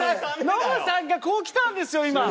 ノブさんがこうきたんですよ今。